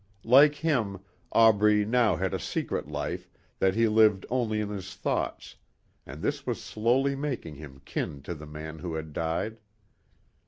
Like him, Aubrey now had a secret life that he lived only in his thoughts, and this was slowly making him kin to the man who had died.